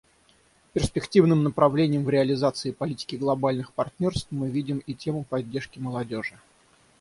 Перспективным направлением в реализации политики глобальных партнерств мы видим и тему поддержки молодежи.